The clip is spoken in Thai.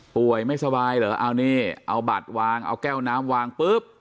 ไม่สบายเหรอเอานี่เอาบัตรวางเอาแก้วน้ำวางปุ๊บ